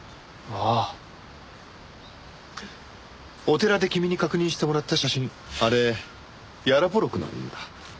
お寺で君に確認してもらった写真あれヤロポロクなんだ。